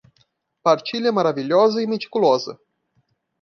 Partilha maravilhosa e meticulosa